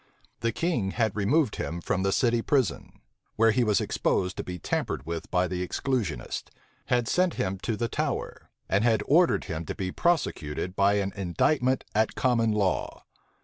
The king had removed him from the city prison, where he was exposed to be tampered with by the exclusionists; had sent him to the Tower; and had ordered him to be prosecuted by an indictment at common law.